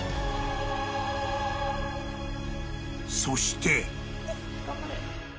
［そして］